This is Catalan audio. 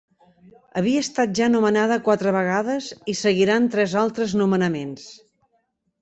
Havia estat ja nomenada quatre vegades i seguiran tres altres nomenaments.